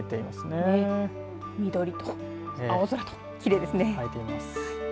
緑と青空と、きれいですね。